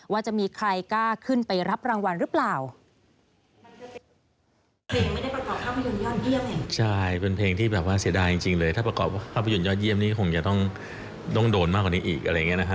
ว่าจะมีใครกล้าขึ้นไปรับรางวัลหรือเปล่า